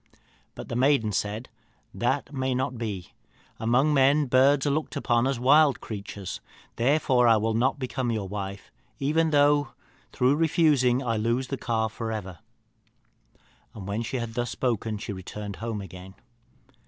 But the maiden said, 'That may not be; among men birds are looked upon but as wild creatures. Therefore I will not become your wife, even though, through refusing, I lose the calf for ever.' And when she had thus spoken she returned home again.